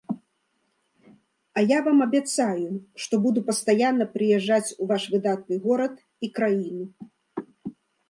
А я вам абяцаю, што буду пастаянна прыязджаць у ваш выдатны горад і краіну.